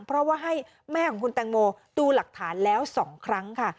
เพราะว่าให้แม่ของคุณแตงโมดูหลักฐานแล้ว๒ครั้งค่ะ